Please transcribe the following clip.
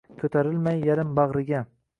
Koʼtarilmay yarim bagʼriga